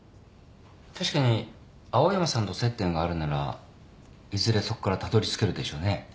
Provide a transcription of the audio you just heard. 確かに青山さんと接点があるならいずれそこからたどりつけるでしょうね。